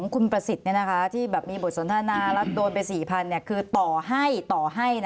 คุณประสิทธิ์แบบมีโบสถ์ทรนดาและโดยไป๔๐๐๐คือต่อให้